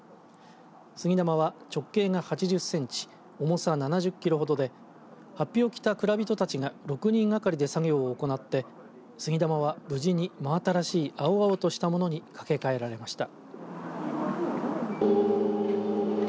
杉玉は直径が８０センチ重さ７０キロほどではっぴを着た蔵人たちが６人がかりで作業を行って杉玉は無事に真新しい青々としたものに掛け替えられました。